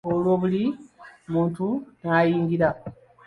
Olwo buli muntu n'ayingira.